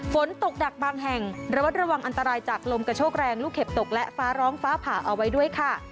ฝนตกหนักบางแห่งระวัดระวังอันตรายจากลมกระโชกแรงลูกเห็บตกและฟ้าร้องฟ้าผ่าเอาไว้ด้วยค่ะ